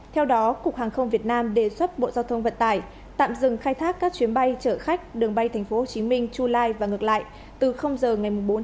theo đó cục hàng không việt nam đề xuất bộ giao thông vận tải tạm dừng khai thác các chuyến bay chở khách đường bay tp hcm chu lai và ngược lại từ giờ ngày bốn tháng năm